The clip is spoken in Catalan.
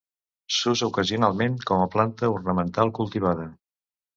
S'usa ocasionalment com a planta ornamental, cultivada.